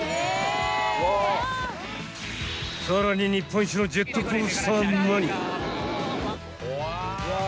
更に、日本一のジェットコースターマニア。